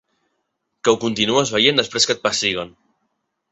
Que ho continues veient després que et pessiguen.